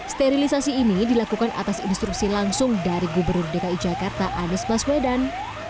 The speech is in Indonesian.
sterilisasi ini dilakukan atas instruksi langsung dari gubernur dki jakarta anies baswedan